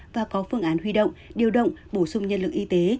và có phương án huy động điều động bổ sung nhân lực y tế